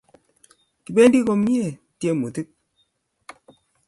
Kibendi komnyei tyemutik